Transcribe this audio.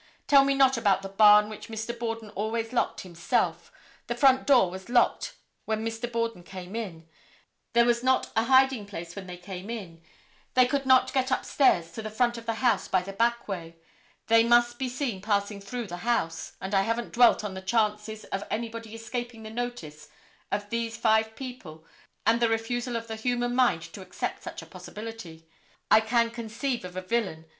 Tell me not about the barn which Mr. Borden always locked himself; the front door was locked when Mr. Borden came in; there was not a hiding place when they came in; they could not get upstairs to the front of the house by the back way; they must be seen passing through the house; and I haven't dwelt on the chances of anybody escaping the notice of these five people and the refusal of the human mind to accept such a possibility. I can conceive of a villain.